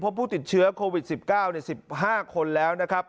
ผู้ติดเชื้อโควิด๑๙๑๕คนแล้วนะครับ